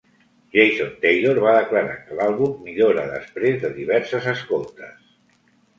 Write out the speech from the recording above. Jason Taylor va declarar que l'àlbum millora després de diverses escoltes.